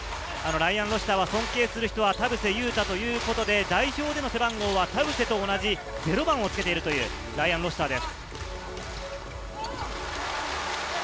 ロシターが尊敬する人は、田臥勇太ということで、代表での背番号は田臥と同じ０番をつけているライアン・ロシターです。